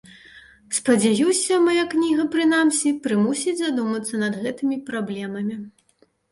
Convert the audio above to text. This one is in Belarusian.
Спадзяюся, мая кніга, прынамсі, прымусіць задумацца над гэтымі праблемамі.